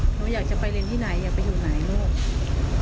หนูอยากจะไปเรียนที่ไหนอยากไปอยู่ไหนลูก